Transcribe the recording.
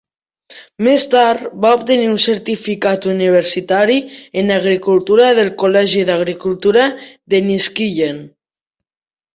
Més tard, va obtenir un certificat universitari en agricultura del Col·legi d'Agricultura d'Enniskillen.